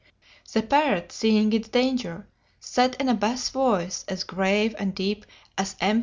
The parrot, seeing its danger, said in a bass voice as grave and deep as M.